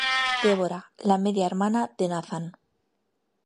Deborah: la media hermana de Nathan.